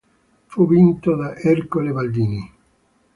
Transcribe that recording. Fu vinto da Ercole Baldini.